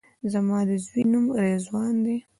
زما د زوی نوم رضوان دی